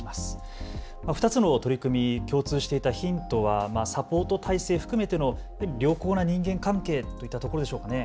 ２つの取り組み、共通していたヒントはサポート体制含めての良好な人間関係といったところでしょうかね。